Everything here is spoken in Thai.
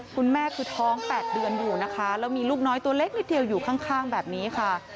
คุณแม่คือท้อง๘เดือนอยู่นะคะแล้วมีลูกน้อยตัวเล็กนิดเดียวอยู่ข้างแบบนี้ค่ะ